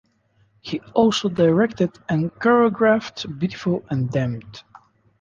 He also directed and choreographed "Beautiful and Damned".